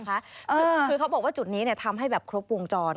คือเขาบอกว่าจุดนี้ทำให้แบบครบวงจร